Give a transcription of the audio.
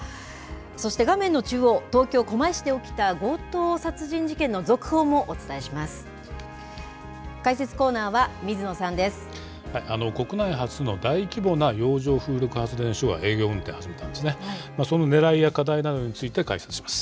そして画面の中央、東京・狛江市で起きた強盗殺人事件の続報もお伝えします。